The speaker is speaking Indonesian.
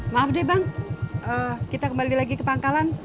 maaf deh bang kita kembali lagi ke pangkalan